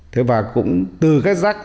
thế và cũng từ cái rách